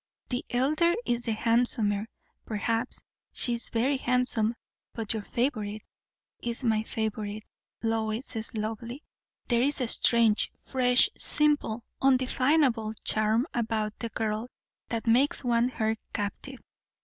The elder is the handsomer, perhaps; she is very handsome; but your favourite is my favourite. Lois is lovely. There is a strange, fresh, simple, undefinable charm about the girl that makes one her captive.